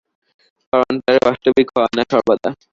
কারনটা বাস্তবিক হয়না সর্বদা।